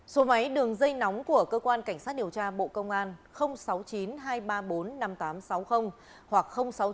số máy đường dây nóng của cơ quan cảnh sát điều tra bộ công an sáu mươi chín hai trăm ba mươi bốn năm nghìn tám trăm sáu mươi hoặc sáu mươi chín hai trăm ba mươi một một nghìn sáu trăm